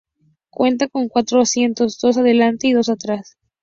Cuenta con cuatro asientos, dos adelante y dos atrás.